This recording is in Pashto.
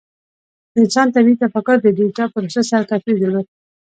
د انسان طبیعي تفکر د ډیټا پروسس سره توپیر درلود.